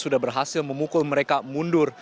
sudah berhasil memukul mereka mundur